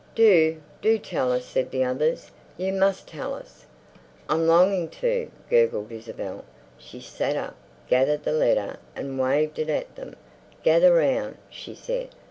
"Do, do tell us," said the others. "You must tell us." "I'm longing to," gurgled Isabel. She sat up, gathered the letter, and waved it at them. "Gather round," she said.